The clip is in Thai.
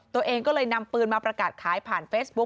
ตัวเองก็เลยนำปืนมาประกาศขายผ่านเฟซบุ๊ค